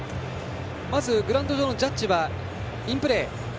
まず、グラウンド上のジャッジはインプレー。